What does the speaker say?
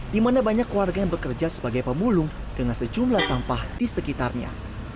di mana banyak warga yang bekerja sebagai pemulung dengan sejumlah sampah di sekitarnya